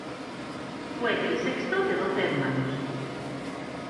Fue el sexto de doce hermanos.